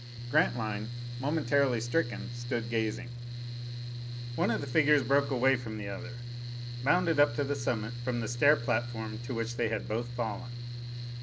Grantline, momentarily stricken, stood gazing. One of the figures broke away from the other, bounded up to the summit from the stair platform to which they had both fallen.